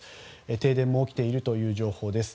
停電も起きているという情報です。